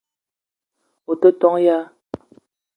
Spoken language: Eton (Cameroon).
O te ton ya?